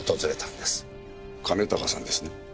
兼高さんですね？